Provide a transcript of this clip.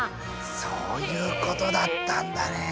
そういうことだったんだね。